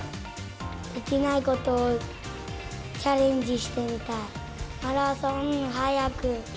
できないことをチャレンジしてみたい。